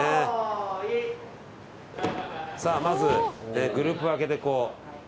まずグループ分けでこう。